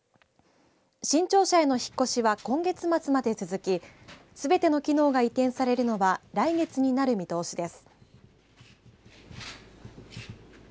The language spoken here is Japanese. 新庁舎への引っ越しは今月末まで続きすべての機能が移転されるのは来月になる見通しです。